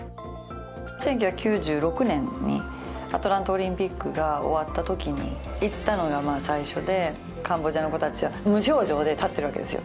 １９９６年にアトランタオリンピックが終わったときに行ったのが最初でカンボジアの子達は無表情で立ってるわけですよ